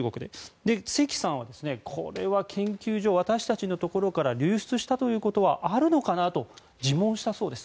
セキさんはこれは研究所私たちのところから流出したということはあるのかなと自問したそうです。